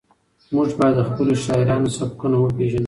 موږ باید د خپلو شاعرانو سبکونه وپېژنو.